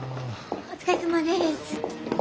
お疲れさまです。